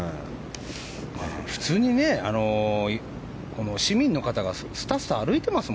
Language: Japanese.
普通にね、市民の方がすたすた歩いてます